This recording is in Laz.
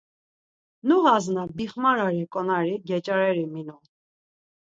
Noğas na bixmarare ǩonari geç̌areri minon.